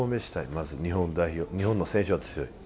まず日本の選手は強い。